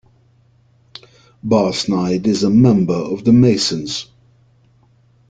Basnight is a member of the Masons.